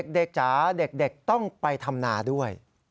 จ๋าเด็กต้องไปทำนาด้วย